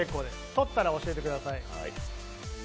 取ったら教えてください。